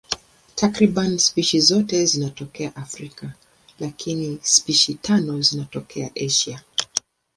Takriban spishi zote zinatokea Afrika, lakini spishi tano zinatokea Asia.